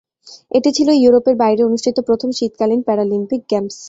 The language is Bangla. এটি ছিল ইউরোপের বাইরে অনুষ্ঠিত প্রথম শীতকালীন প্যারালিম্পিক গেমস।